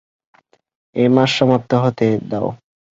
এ মাস সমাপ্ত হতে দাও।